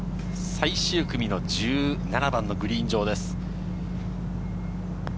最終組の１７番のグリーン上です。